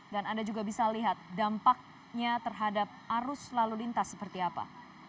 dan anda juga bisa lihat dampaknya terhadap arus lalu lintas seperti apa